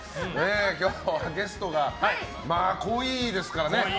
今日はゲストが濃いですからね。